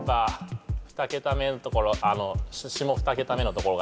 ２桁目のところ。